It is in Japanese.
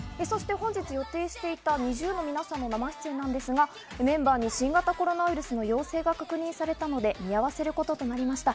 そして本日予定していたＮｉｚｉＵの皆さんの生出演なんですが、メンバーに新型コロナウイルスの陽性が確認されたので見合わせることとなりました。